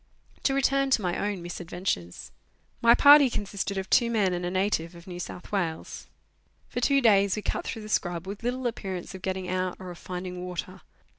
To return to my own misadventures. My party consisted. of two men and a native of New South Wales. For two days we cut through the scrub, with little appearance of getting out or of finding water.